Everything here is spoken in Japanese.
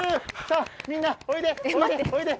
さあ、みんなおいでおいで！